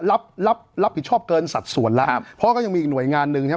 รับรับรับผิดชอบเกินสัดส่วนแล้วครับเพราะก็ยังมีอีกหน่วยงานหนึ่งใช่ไหม